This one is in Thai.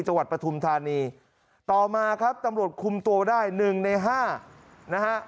จังหวัดประถุมธานีต่อมาครับตำรวจคุมตัวได้๑ใน๕นะฮะ